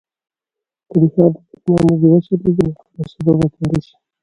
که د ښار د برېښنا مزي وشلېږي نو ټوله سوبه به تیاره شي.